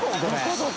どこ？